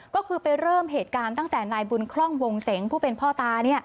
ก็คือไปเริ่มเหตุการณ์ตั้งแต่นายบุญคล่องวงเสงผู้เป็นพ่อตา